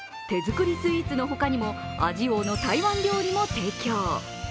手作りスイーツのほかにも味王の台湾料理も提供。